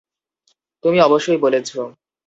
তুমি অবশ্যই বলেছ।